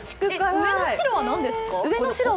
上の白は何ですか？